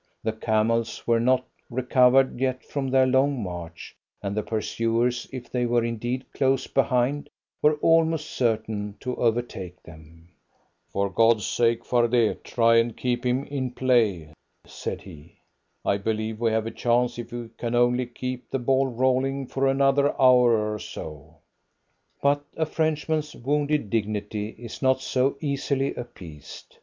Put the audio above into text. The camels were not recovered yet from their long march, and the pursuers, if they were indeed close behind, were almost certain to overtake them. "For God's sake, Fardet, try and keep him in play," said he. "I believe we have a chance if we can only keep the ball rolling for another hour or so." But a Frenchman's wounded dignity is not so easily appeased.